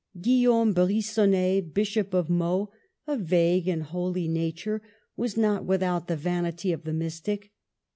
Guillaume Brigonnet, Bishop of Meaux, a vague and holy nature, was not without the vanity of the mystic.